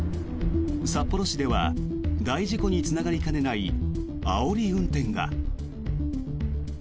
札幌市では大事故につながりかねないあおり運転が。